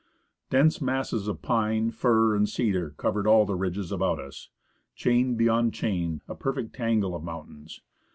Dense masses of pine, fir, and cedar cover all the ridges about us : chain beyond chain, a perfect tanele of mountains